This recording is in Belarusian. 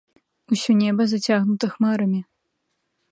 Усе неба зацягнута хмарамі.